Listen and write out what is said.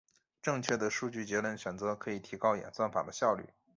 正确的数据结构选择可以提高演算法的效率。